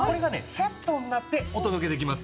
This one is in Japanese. セットになってお届けできます。